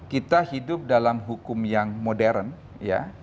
kita hidup dalam hukum yang modern ya